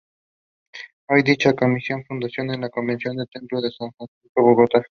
Hoy, dicha Comisaría funciona en el convento del templo de San Francisco en Bogotá.